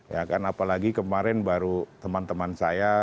ya kan apalagi kemarin baru teman teman saya